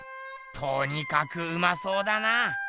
とにかくうまそうだな。